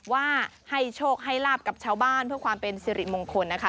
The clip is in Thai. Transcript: ว่าให้โชคให้ลาบกับชาวบ้านเพื่อความเป็นสิริมงคลนะคะ